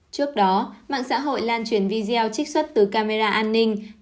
trước đó mạng xã hội lan truyền video trích xuất từ camera an ninh